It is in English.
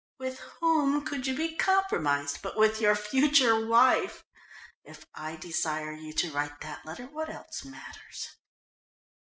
"With whom could you be compromised but with your future wife? If I desire you to write that letter, what else matters?"